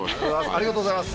ありがとうございます。